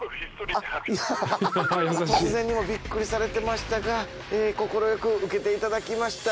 突然にびっくりされてましたが快く請けていただきました。